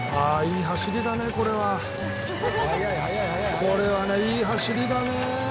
これはねいい走りだね！